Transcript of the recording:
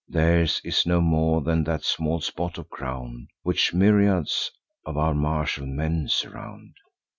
Theirs is no more than that small spot of ground Which myriads of our martial men surround.